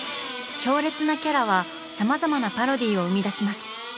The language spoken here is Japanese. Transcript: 強烈なキャラはさまざまなパロディーを生み出します。